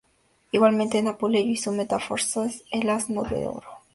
Igualmente en Apuleyo y su "Metamorfosis" o "El asno de oro".